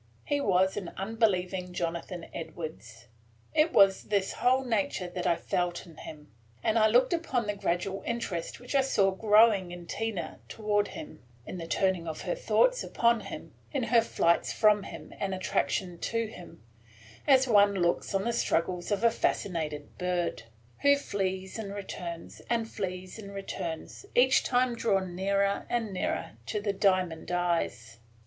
He was an unbelieving Jonathan Edwards. It was this whole nature that I felt in him, and I looked upon the gradual interest which I saw growing in Tina toward him, in the turning of her thoughts upon him, in her flights from him and attraction to him, as one looks on the struggles of a fascinated bird, who flees and returns, and flees and returns, each time drawn nearer and nearer to the diamond eyes.